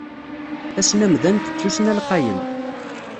Tasnamdant d tussna lqayen.